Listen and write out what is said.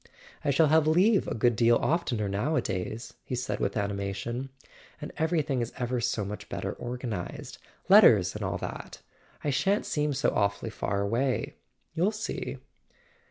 "I shall have leave a good deal oftener nowadays," he said with animation. "And everything is ever so much better organized—letters and all that. I shan't seem so awfully far away. You'll see."